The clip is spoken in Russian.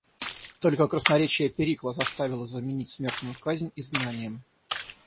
Только красноречие Перикла заставило заменить смертную казнь изгнанием.